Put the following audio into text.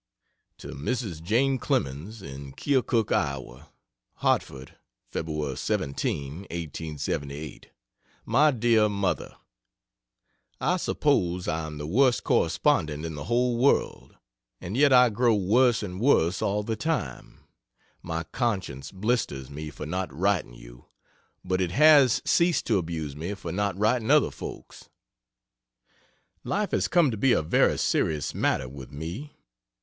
To Mrs. Jane Clemens, in Keokuk, Iowa: HARTFORD, Feb. 17, 1878 MY DEAR MOTHER, I suppose I am the worst correspondent in the whole world; and yet I grow worse and worse all the time. My conscience blisters me for not writing you, but it has ceased to abuse me for not writing other folks. Life has come to be a very serious matter with me.